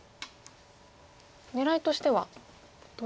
狙いとしてはどういった？